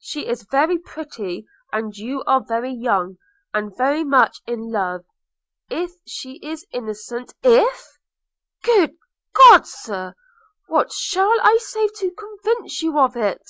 She is very pretty! and you are very young, and very much in love! If she is innocent –' 'If! – Good God, Sir, what shall I say to convince you of it?'